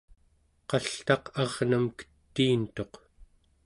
qaltaq arnam ketiintuq